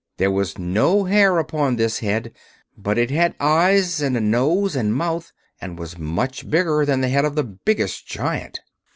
There was no hair upon this head, but it had eyes and a nose and mouth, and was much bigger than the head of the biggest giant.